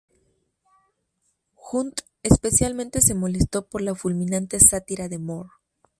Hunt especialmente se molestó por la fulminante sátira de Moore.